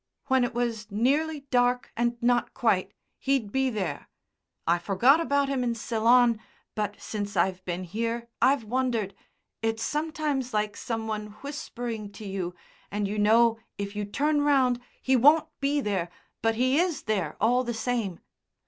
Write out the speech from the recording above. When it was nearly dark and not quite he'd be there. I forgot about him in Ceylon, but since I've been here I've wondered ... it's sometimes like some one whispering to you and you know if you turn round he won't be there, but he is there all the same.